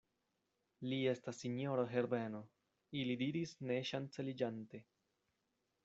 Li estas sinjoro Herbeno, ili diris ne ŝanceliĝante.